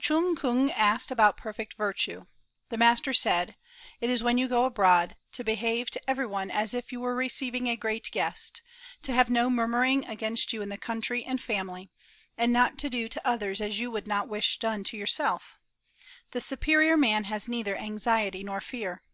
Chung kung asked about perfect virtue. The master said: "It is when you go abroad, to behave to every one as if you were receiving a great guest, to have no murmuring against you in the country and family, and not to do to others as you would not wish done to yourself.... The superior man has neither anxiety nor fear.